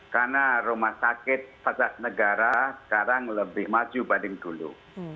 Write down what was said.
karena rumah sakit pasas negara sekarang lebih maju dibanding dulu